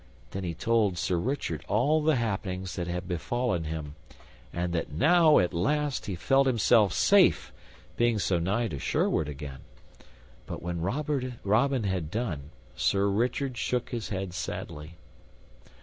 Then he told Sir Richard all the happenings that had befallen him, and that now at last he felt himself safe, being so nigh to Sherwood again. But when Robin had done, Sir Richard shook his head sadly.